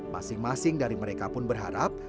masing masing dari mereka pun berharap